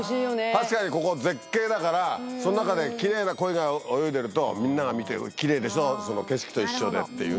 確かにここ絶景だからその中で奇麗なコイが泳いでるとみんなが見て奇麗でしょその景色と一緒でっていうね。